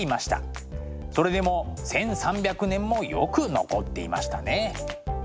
それでも１，３００年もよく残っていましたね。